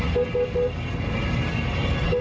ใช่